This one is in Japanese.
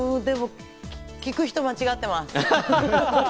聞く人、間違ってます。